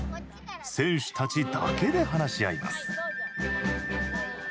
選手たちだけで話し合います。